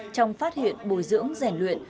trong phát hiện bồi dưỡng rèn luyện